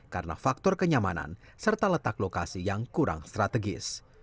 karena faktor kenyamanan serta letak lokasi yang kurang strategis